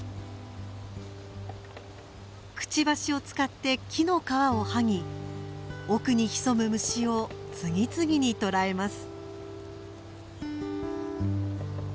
くちばしを使って木の皮を剥ぎ奥に潜む虫を次々に捕えます。